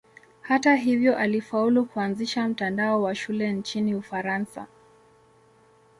Hata hivyo alifaulu kuanzisha mtandao wa shule nchini Ufaransa.